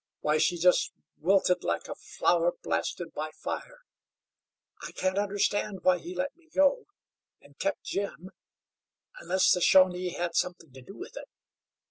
Why, she just wilted like a flower blasted by fire. I can't understand why he let me go, and kept Jim, unless the Shawnee had something to do with it.